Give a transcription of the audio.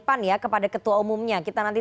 pan ya kepada ketua umumnya kita nanti